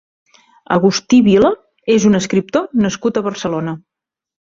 Agustí Vila és un escriptor nascut a Barcelona.